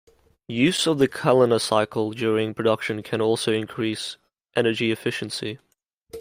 Use of the Kalina cycle during production can also increase energy efficiency.